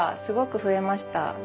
すごく増えました。